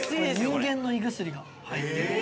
人間の胃薬が入ってる。